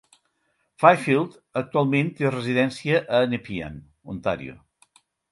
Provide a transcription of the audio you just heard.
Fifield actualment té residència a Nepean (Ontario).